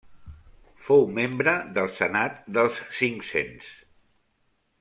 Fou membre del senat dels cinc-cents.